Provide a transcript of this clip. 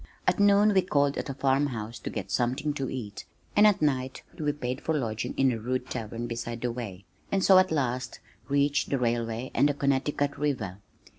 At noon we called at a farm house to get something to eat and at night we paid for lodging in a rude tavern beside the way, and so at last reached the railway and the Connecticut River.